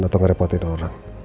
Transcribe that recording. atau ngerepotin orang